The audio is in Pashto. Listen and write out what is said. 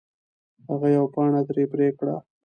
هغه یوه پاڼه ترې پرې کړه.